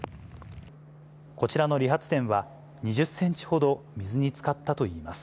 こちらの理髪店は、２０センチほど水につかったといいます。